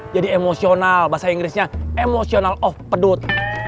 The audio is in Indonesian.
jadi emosional bahasa inggrisnya emotional of pedut